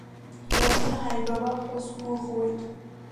Лассы ҳаибабап ҳәа сгәыӷуеит.